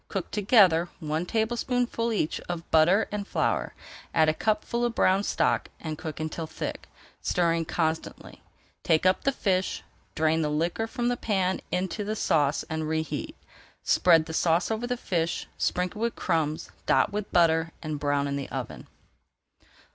Cook together one tablespoonful each of butter and flour, add a cupful of brown stock and cook until thick, stirring constantly. Take up the fish, drain the liquor from the pan into the [Page 381] sauce, and reheat. Spread the sauce over the fish, sprinkle with crumbs, dot with butter, and brown in the oven.